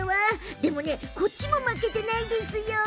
でもこっちも負けていないですよ。